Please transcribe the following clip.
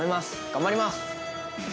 頑張ります。